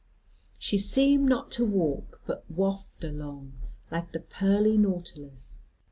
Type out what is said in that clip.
She seemed not to walk but waft along, like the pearly Nautilus.